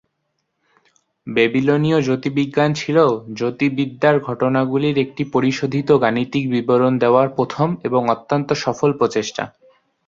ব্যাবিলনীয় জ্যোতির্বিজ্ঞান ছিল "জ্যোতির্বিদ্যার ঘটনাগুলির একটি পরিশোধিত গাণিতিক বিবরণ দেওয়ার প্রথম এবং অত্যন্ত সফল প্রচেষ্টা।"